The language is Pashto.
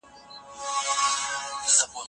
ایا ته له خپل لارښود سره په موضوع بحث کوې؟